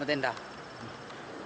saya sudah berusaha untuk mengungsi